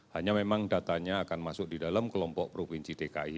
hanya memang datanya akan masuk di dalam kelompok provinsi dki